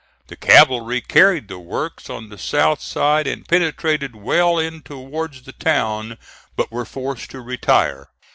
The cavalry carried the works on the south side, and penetrated well in towards the town, but were forced to retire.